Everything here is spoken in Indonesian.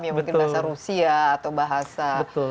bahasa rusia atau bahasa